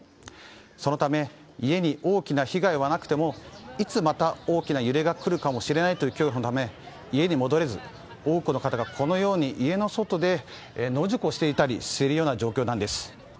そのため、家に大きな被害はなくてもいつ、また大きな揺れが来るかもしれない恐怖のため家に戻れず多くの方がこのように家の外で野宿をしていたりしているような状況なんです。